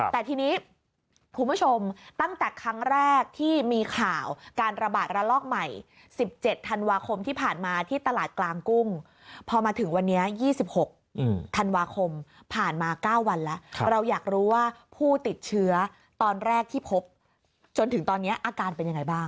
แต่ทีนี้คุณผู้ชมตั้งแต่ครั้งแรกที่มีข่าวการระบาดระลอกใหม่๑๗ธันวาคมที่ผ่านมาที่ตลาดกลางกุ้งพอมาถึงวันนี้๒๖ธันวาคมผ่านมา๙วันแล้วเราอยากรู้ว่าผู้ติดเชื้อตอนแรกที่พบจนถึงตอนนี้อาการเป็นยังไงบ้าง